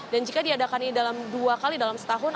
dan jika diadakan ini dalam dua kali dalam setahun